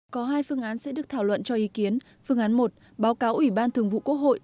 có hai phương án sẽ được thảo luận cho ý kiến phương án một báo cáo ủy ban thường vụ quốc hội